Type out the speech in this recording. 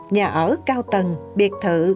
nhà ở cao tầng biệt thự